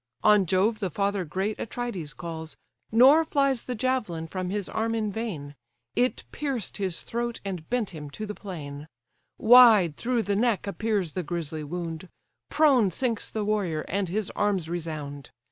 On Jove the father great Atrides calls, Nor flies the javelin from his arm in vain, It pierced his throat, and bent him to the plain; Wide through the neck appears the grisly wound, Prone sinks the warrior, and his arms resound.